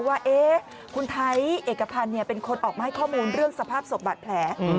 ว่าคุณไทยเอกพันธ์เป็นคนออกมาให้ข้อมูลเรื่องสภาพศพบาดแผล